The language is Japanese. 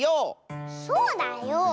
そうだよ。